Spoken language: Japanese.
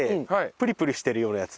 プリプリしてるようなやつ。